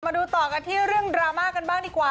มาดูต่อกันที่เรื่องดราม่ากันบ้างดีกว่า